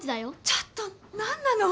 ちょっと何なの！